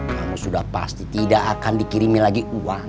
kamu sudah pasti tidak akan dikirimi lagi uang